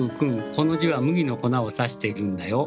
この字は麦の粉を指しているんだよ。